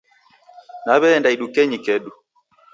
Naweenda idukenyi kedu